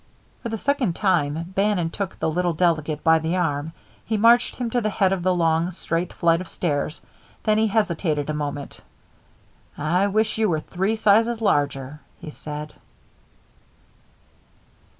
For the second time Bannon took the little delegate by the arm. He marched him to the head of the long, straight flight of stairs. Then he hesitated a moment. "I wish you were three sizes larger," he said.